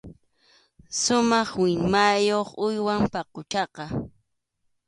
Sumaq millwayuq uywam paquchaqa.